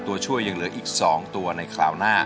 ตัวช่วยยังเหลืออีก๒ตัวในคราวหน้า